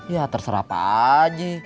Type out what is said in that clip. ya terserah pak haji